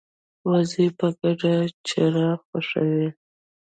وزې په ګډه چرا خوښوي